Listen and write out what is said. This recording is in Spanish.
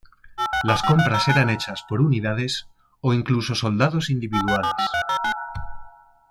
Las compras eran hechas por unidades o incluso soldados individuales.